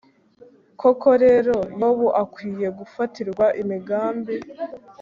koko rero, yobu akwiye gufatirwa imigambi